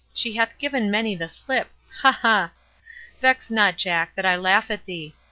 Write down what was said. She hath given many the slip. Ha! ha! Vex not, Jack, that I laugh at thee.